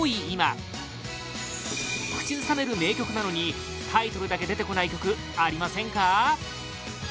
今口ずさめる名曲なのにタイトルだけ出てこない曲ありませんか？